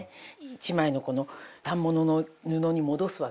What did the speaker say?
１枚のこの反物の布に戻すわけですよ。